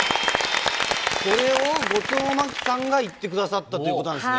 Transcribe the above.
これを後藤真希さんが行ってくださったということなんですね。